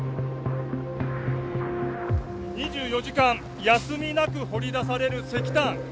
２４時間休みなく掘り出される石炭。